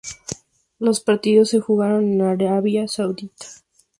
Los partidos se jugaron en Arabia Saudita.